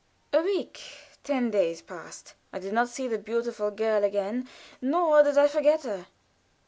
A week ten days passed. I did not see the beautiful girl again nor did I forget her.